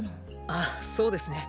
ああそうですね。